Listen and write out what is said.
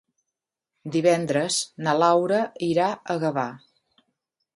Divendres na Laura irà a Gavà.